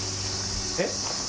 えっ？